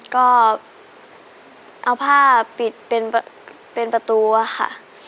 ก็เอาผ้าปิดเป็นประตูอะค่ะ